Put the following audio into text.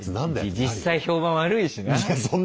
実際評判悪いしな。